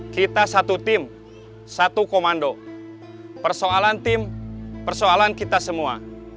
kita satu tim satu komando persoalan tim persoalan kita semua